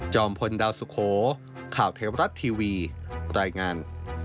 พลดาวสุโขข่าวเทวรัฐทีวีรายงาน